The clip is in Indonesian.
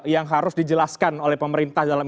yang harus dijelaskan oleh pemerintah dalam